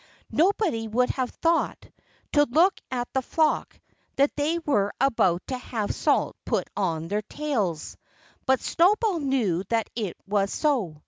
Nobody would have thought, to look at the flock, that they were about to have salt put on their tails. But Snowball knew that it was so.